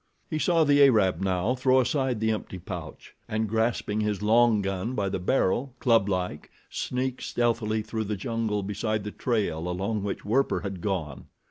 He saw the Arab now throw aside the empty pouch, and grasping his long gun by the barrel, clublike, sneak stealthily through the jungle beside the trail along which Werper had gone.